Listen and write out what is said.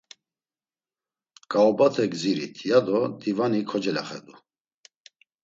“Ǩaobate gzirit!” ya do divani kocelaxedu.